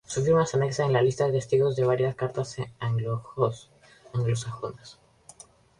Su firma se anexa en la lista de testigos de varias cartas anglosajonas.